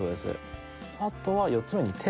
あとは４つ目に「テーマ」